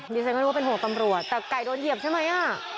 มีเสียงว่าเป็นห่วงกับกำรวจแต่ไก่โดนเหยียบใช่ไหม